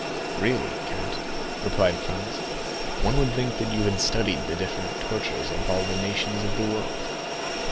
"Really, count," replied Franz, "one would think that you had studied the different tortures of all the nations of the world."